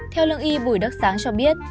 theo lương y bùi đất sáng cho biết